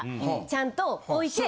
ちゃんと置いて。